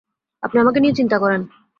আপনি আমাকে নিয়ে চিন্তা করেন।